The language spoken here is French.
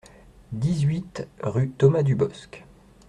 dix-huit rue Thomas Dubosc